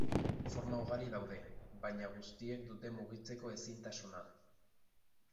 Forma ugari daude, baina guztiek dute mugitzeko ezintasuna.